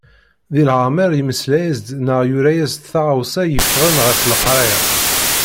Deg leɛmer yemmeslay-as-d neɣ yura-as-d taɣawsa yeffɣen ɣef leqraya.